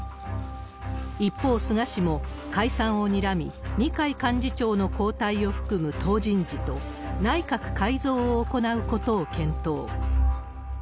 一方、菅氏も解散をにらみ、二階幹事長の交代を含む党人事と、内閣改造を行うことを検討。